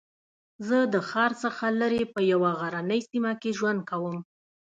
زه د ښار څخه لرې په یوه غرنۍ سېمه کې ژوند کوم